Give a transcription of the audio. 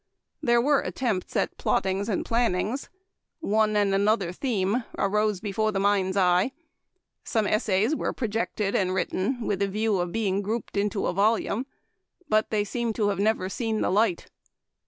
There were attempts at plottings and plan nings. One and another theme arose before the mind's eye. Some essays were projected and written with a view of being grouped into a volume, but they seem to have never seen the light.